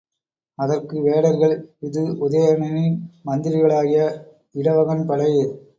அதற்கு வேடர்கள் இது உதயணனின் மந்திரிகளாகிய இடவகன் படை.